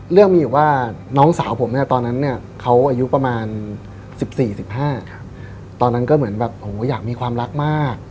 เรื่องมีอยู่ว่าน้องสาวผมเนี่ยตอนนั้นเนี่ยเขาอายุประมาณ๑๔๑๕ตอนนั้นก็เหมือนแบบอยากมีความรักมาก